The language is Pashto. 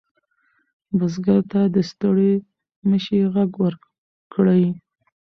بزګر ته د ستړي مشي غږ وکړئ.